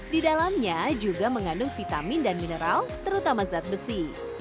di dalamnya juga mengandung vitamin dan mineral terutama zat besi